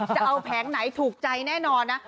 จะเอาแผงไหนถูกใจแน่นอนนะ